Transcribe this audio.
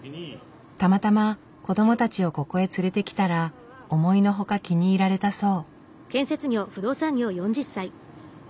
たまたま子どもたちをここへ連れてきたら思いのほか気に入られたそう。